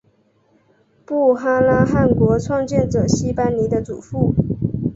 布哈拉汗国创建者昔班尼的祖父。